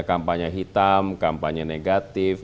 kampanye hitam kampanye negatif